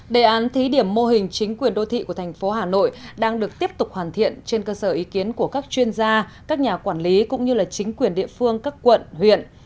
đề án thí điểm mô hình chính quyền đô thị của thành phố hà nội đang được tiếp tục hoàn thiện trên cơ sở ý kiến của các chuyên gia các nhà quản lý cũng như chính quyền địa phương các quận huyện